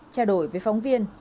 trả đổi với phóng viên